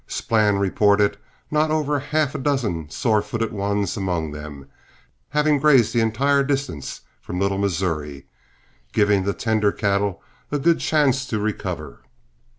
Splann reported not over half a dozen sore footed ones among them, having grazed the entire distance from Little Missouri, giving the tender cattle a good chance to recover.